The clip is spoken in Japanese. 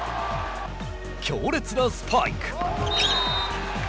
強烈なスパイク。